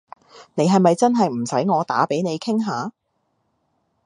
你係咪真係唔使我打畀你傾下？